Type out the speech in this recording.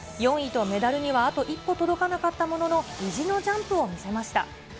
４位とメダルにはあと一歩届かなかったものの、意地のジャンプを見せました。